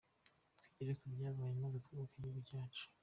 Twigire ku byabaye maze twubake igihugu cyacu.